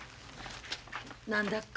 何だっか？